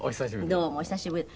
どうもお久しぶり。